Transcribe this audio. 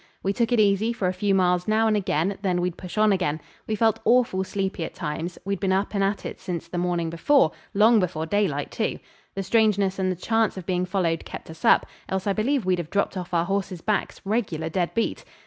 We took it easy for a few miles now and again, then we'd push on again. We felt awful sleepy at times; we'd been up and at it since the morning before; long before daylight, too. The strangeness and the chance of being followed kept us up, else I believe we'd have dropped off our horses' backs, regular dead beat.